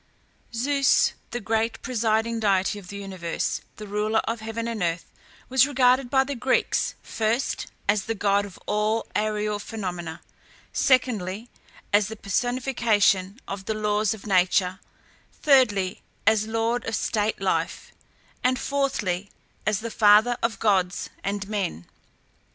Zeus, the great presiding deity of the universe, the ruler of heaven and earth, was regarded by the Greeks, first, as the god of all aërial phenomena; secondly, as the personification of the laws of nature; thirdly, as lord of state life; and fourthly, as the father of gods and men.